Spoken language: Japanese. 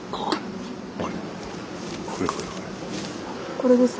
これですか？